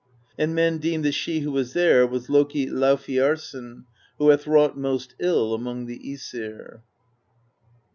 And men deem that she who was there was Loki Laufey arson, who hath wrought most ill among the iEsir."